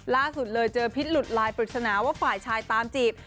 ล่าสุดเลยเจอพิษหลุดลายปริศนาว่าฝ่ายชายตามจีบ